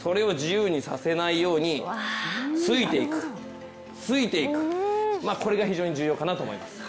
それを自由にさせないようについていくついていく、これが非常に重要かなと思います。